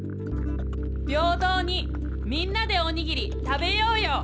「びょうどうにみんなでおにぎり食べようよ」。